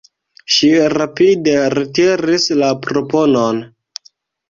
Ŝi rapide retiris la proponon.